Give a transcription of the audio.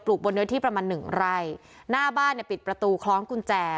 บนเนื้อที่ประมาณหนึ่งไร่หน้าบ้านเนี่ยปิดประตูคล้องกุญแจ